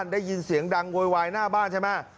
ได้ยินเสียงดังโวยวายหน้าบ้านใช่ไหม